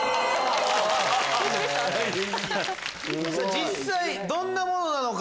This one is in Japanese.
実際どんなものなのか。